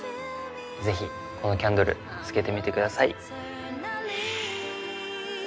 ぜひこのキャンドルつけてみてください。